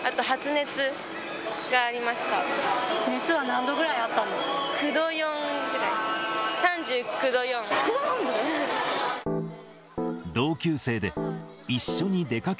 熱は何度ぐらいあったんですか？